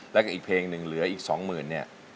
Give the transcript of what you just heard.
แล้วก็อีกเพลงหนึ่งเหลืออีก๒๐๐๐เนี่ย